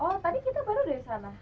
oh tadi kita baru dari sana